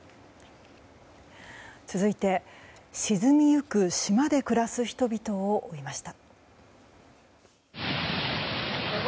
続いて、沈みゆく島で暮らす人々を追いました。